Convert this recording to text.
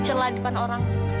ceren lah depan orang